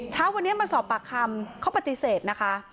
เช้าวันนี้มาสอบปากคำเขาปฏิเสธนะคะ